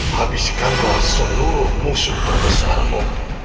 habiskanlah seluruh musuh terbesarmu